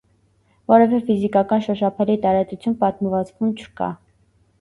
Որևէ ֆիզիկական շոշափելի տարածություն պատմվածքում չկա։